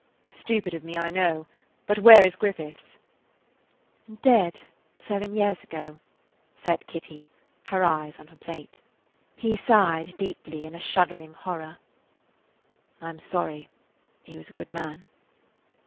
"Stupid of me, I know; but where is Griffiths?" "Dead seven years ago," said Kitty, her eyes on her plate. He sighed deeply in a shuddering horror. [Page 55] "I 'm sorry. He was a good man."